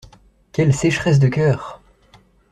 Quelle sécheresse de cœur!